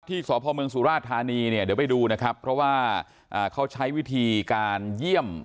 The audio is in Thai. สพเมืองสุราชธานีเนี่ยเดี๋ยวไปดูนะครับเพราะว่าเขาใช้วิธีการเยี่ยม